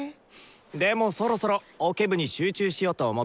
でもそろそろオケ部に集中しようと思ってんだぜ。